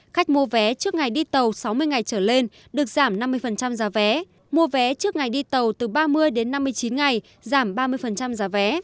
khách mua vé trước ngày đi tàu sáu mươi ngày trở lên được giảm năm mươi giá vé mua vé trước ngày đi tàu từ ba mươi đến năm mươi chín ngày giảm ba mươi giá vé